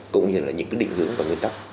cũng như là những cái định hướng và nguyên tắc